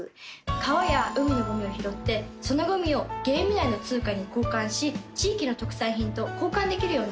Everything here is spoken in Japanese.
川や海のゴミを拾ってそのゴミをゲーム内の通貨に交換し地域の特産品と交換できるような仕組みになっています。